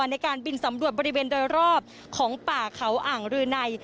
ในการบินสำรวจบริเวณโดยรอบของป่าเขาอ่างรืนัย